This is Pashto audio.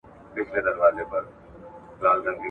خپل ږغ د پښتو د بډاینې لپاره ورکړئ.